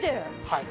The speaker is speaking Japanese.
はい。